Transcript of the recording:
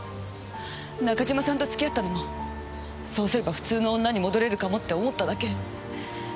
中島さんと付き合ったのもそうすれば普通の女に戻れるかもって思っただけ。